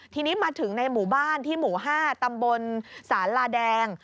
ทีนี้มาถึงในหมู่บ้านที่หมู่๕ตำบลสาลาแดง